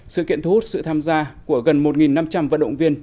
sự kiện thu hút sự tham gia của gần một năm trăm linh vận động viên